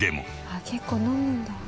「あっ結構飲むんだ」